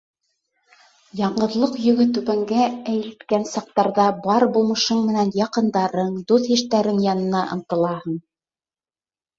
Яңғыҙлыҡ йөгө түбәнгә эйелткән саҡтарҙа бар булмышың менән яҡындарың, дуҫ-иштәрең янына ынтылаһың.